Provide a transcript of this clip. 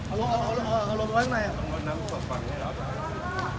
อัลโหลบ้านไหน